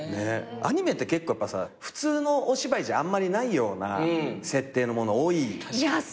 アニメって結構やっぱさ普通のお芝居じゃあんまりないような設定のもの多いよね。